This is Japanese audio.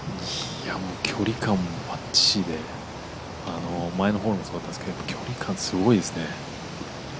もう距離感もばっちしで前のホールもそうだったんですけど距離感、すごいですね。